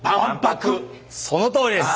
そのとおりです！